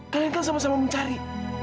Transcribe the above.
kalian kan sama sama mencari